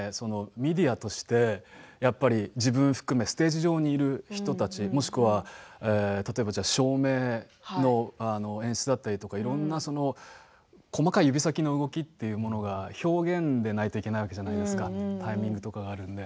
メディアとして自分を含めステージ上にいる人たちもしくは、例えば照明の演出だったりいろんな細かい指先の動きというものが表現でないといけないわけじゃないですかタイミングとかがあるので。